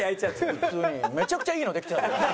普通にめちゃくちゃいいのできちゃった。